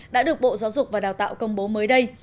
đã được bộ giáo dục và đào tạo công bố mới đây